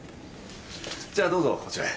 じゃあどうぞこちらへ。